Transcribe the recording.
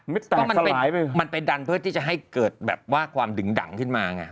แต่มันไปดันเพื่อที่จะให้เกิดแบบว่าความดึงดังขึ้นมาไง